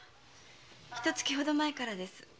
ひと月ほど前からです。